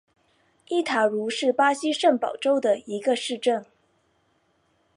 伊塔茹是巴西圣保罗州的一个市镇。